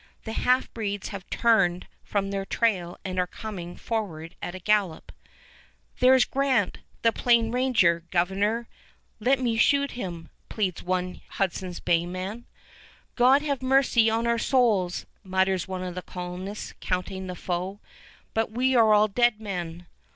The half breeds have turned from their trail and are coming forward at a gallop. "There 's Grant, the Plain Ranger, Governor! Let me shoot him," pleads one Hudson's Bay man. "God have mercy on our souls!" mutters one of the colonists, counting the foe; "but we are all dead men."